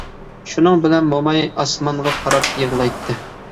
شۇنىڭ بىلەن موماي ئاسمانغا قاراپ يىغلايتتى.